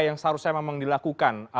yang seharusnya memang dilakukan